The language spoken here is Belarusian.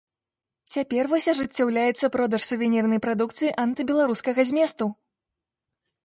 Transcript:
Цяпер вось ажыццяўляецца продаж сувенірнай прадукцыі антыбеларускага зместу.